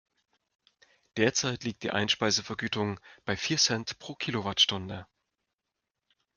Derzeit liegt die Einspeisevergütung bei vier Cent pro Kilowattstunde.